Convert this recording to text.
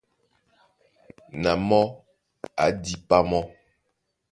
Na mɔ́ á dípá mɔ́.